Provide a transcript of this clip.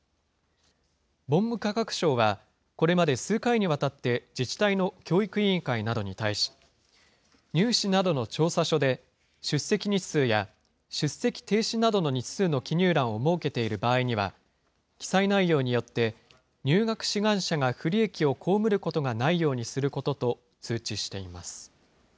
文部科学省は、これまで数回にわたって、自治体の教育委員会などに対し、入試などの調査書で、出席日数や出席停止などの日数の記入欄を設けている場合には、記載内容によって入学志願者が不利益を被ることがないようにすることと通知しています。